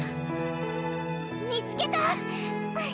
見つけた！